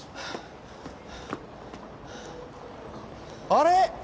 あれ？